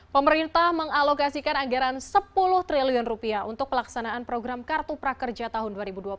pemerintah mengalokasikan anggaran rp sepuluh triliun rupiah untuk pelaksanaan program kartu prakerja tahun dua ribu dua puluh